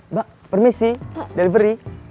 mbak permisi dari peri